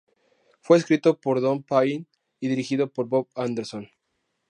Fue escrito por Don Payne y dirigido por Bob Anderson.